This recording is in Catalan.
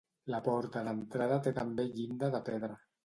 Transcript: La porta d'entrada té també llinda de pedra.